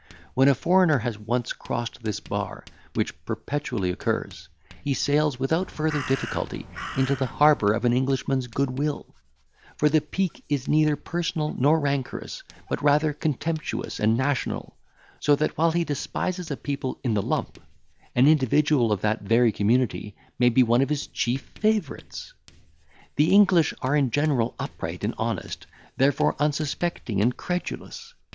When a foreigner has once crossed this bar, which perpetually occurs, he sails without further difficulty into the harbour of an Englishman's goodwill; for the pique is neither personal nor rancorous, but rather contemptuous and national; so that, while he despises a people in the lump, an individual of that very community may be one of his chief favourites. "The English are in general upright and honest, therefore unsuspecting and credulous.